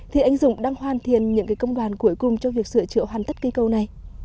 thì anh dũng đang hoàn thiện những công đoàn cuối cùng cho việc sửa chữa hoàn tất cây cầu này